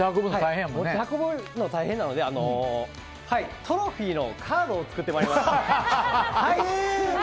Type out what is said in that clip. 運ぶの大変なのでトロフィーのカードを作ってまいりました。